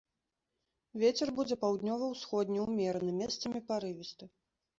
Вецер будзе паўднёва-ўсходні ўмераны, месцамі парывісты.